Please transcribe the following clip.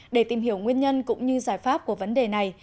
để tìm hiểu nguyên nhân cũng như giải pháp của vấn đề này